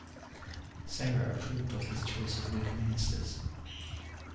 Sarah approved of his choice of Whig ministers.